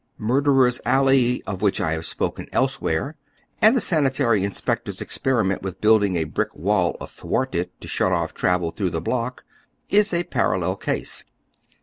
Murderere' Alley, of which I have spoken elsewhere, a»d the sanitaiy inspector's experiment with building a brick wall athwart it to shut off travel through the block, is a parallel case.